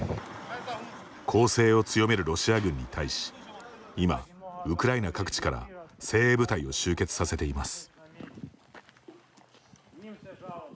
攻勢を強めるロシア軍に対し今、ウクライナ各地から精鋭部隊を集結させています。